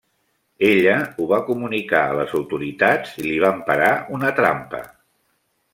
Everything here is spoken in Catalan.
Ella ho va comunicar a les autoritats i li van parar una trampa.